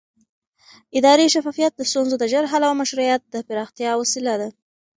اداري شفافیت د ستونزو د ژر حل او مشروعیت د پراختیا وسیله ده